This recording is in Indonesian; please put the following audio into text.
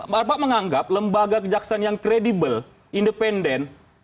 bapak menganggap lembaga kejaksaan yang kredibel independen